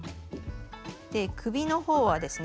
首のほうはですね